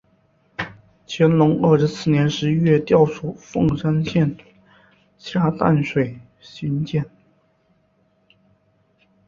乾隆二十四年十一月调署凤山县下淡水巡检。